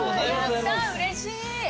やったうれしい。